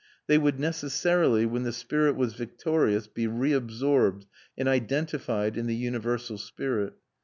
They would necessarily, when the spirit was victorious, be reabsorbed and identified in the universal spirit.